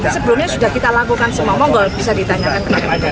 sebelumnya sudah kita lakukan semua tidak bisa ditanyakan